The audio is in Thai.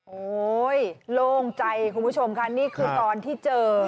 โอ้โหโล่งใจคุณผู้ชมค่ะนี่คือตอนที่เจอ